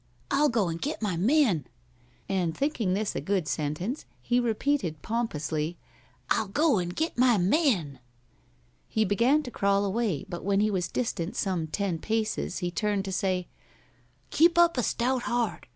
I'll go and get my men." And thinking this a good sentence, he repeated, pompously, "I'll go and get my men." He began to crawl away, but when he was distant some ten paces he turned to say: "Keep up a stout heart.